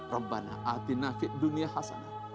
rabbana atina fi dunia hasanah